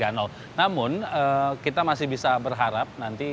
namun kita masih bisa berharap nanti